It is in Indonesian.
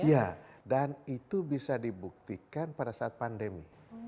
ya dan itu bisa dibuktikan pada saat pandemi